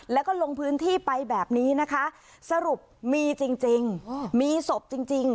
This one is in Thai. แล้วก็ลงพื้นที่ไปแบบนี้นะคะสรุปมีจริงมีศพจริงจริง